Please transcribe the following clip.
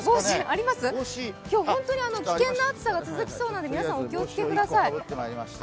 今日、本当に危険な暑さが続きそうなので、皆さん、お気をつけください。